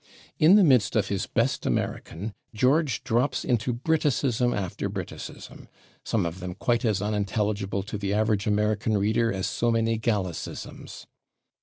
In the midst of his best American, George drops into Briticism after Briticism, some of them quite as unintelligible to the average American reader as so many Gallicisms.